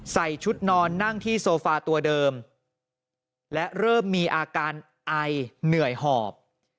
ใส่ชุดนอนนั่งที่โซฟาตัวเดิมและเริ่มมีอาการไอเหนื่อยหอบ